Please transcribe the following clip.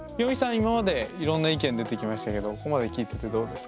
今までいろんな意見出てきましたけどここまで聞いててどうですか？